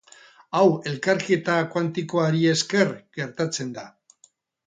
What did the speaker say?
Hau elkarketa kuantikoari esker gertatzen da.